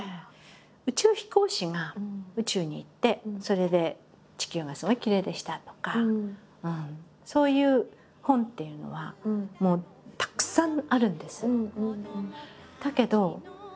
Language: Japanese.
宇宙飛行士が宇宙に行ってそれで地球がすごいきれいでしたとかそういう本っていうのはもうたくさんあるんです。